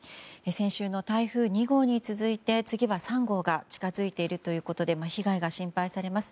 先週の台風２号に続いて次は３号が近づいているということで被害が心配されます。